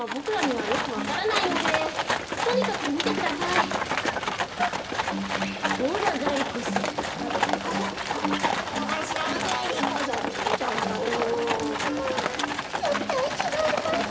はぁぜったいちがいます。